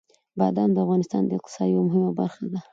بادام د افغانستان د اقتصاد یوه مهمه برخه ده.